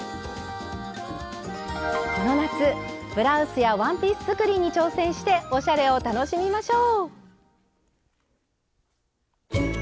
この夏ブラウスやワンピース作りに挑戦しておしゃれを楽しみましょう。